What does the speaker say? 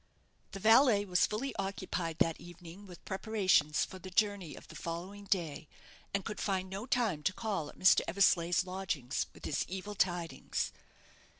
The valet was fully occupied that evening with preparations for the journey of the following day, and could find no time to call at Mr. Eversleigh's lodgings with his evil tidings.